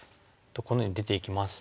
このように出ていきますと。